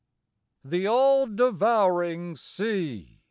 The all devouring sea!